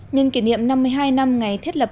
nhân kỷ niệm năm mươi hai năm ngày thiết lập